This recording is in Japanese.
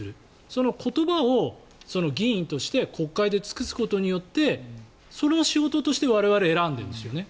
その言葉を議員として国会で尽くすことによってそれを仕事として我々選んでるんですよね。